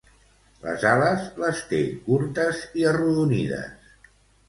Les ales, les té curtes i arrodonides.